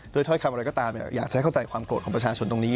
ถ้อยคำอะไรก็ตามอยากจะให้เข้าใจความโกรธของประชาชนตรงนี้